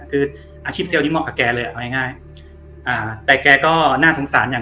คืออาชีพเซลล์นี้เหมาะกับแกเลยเอาง่ายอ่าแต่แกก็น่าสงสารอย่าง